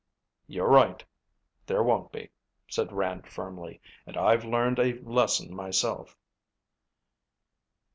"You're right. There won't be," said Rand firmly, "and I've learned a lesson myself."